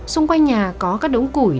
xung quanh nhà có các đống củi